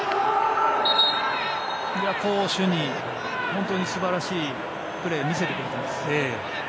攻守に素晴らしいプレーを見せてくれています。